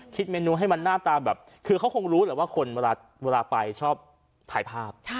เมนูให้มันหน้าตาแบบคือเขาคงรู้แหละว่าคนเวลาไปชอบถ่ายภาพ